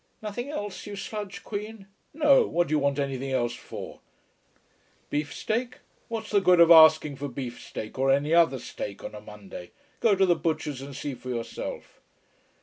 Nothing else, you sludge queen? No, what do you want anything else for? Beefsteak what's the good of asking for beefsteak or any other steak on a Monday. Go to the butcher's and see for yourself.